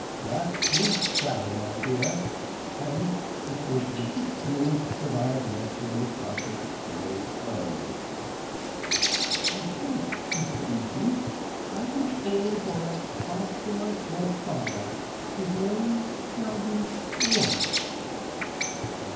"That you shall, my dear, and it was with this view that I have mentioned the subject so early." "I think, Mr Easy, I will call the boy after my poor father his name shall be Robert."